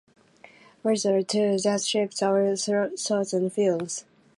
Words are tools that shape our thoughts and feelings.